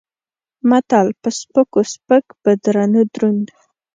متل: په سپکو سپک په درونو دروند.